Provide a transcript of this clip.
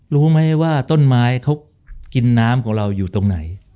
รู้ไหมว่าต้นไม้เขากินน้ำของเราอยู่ตรงไหน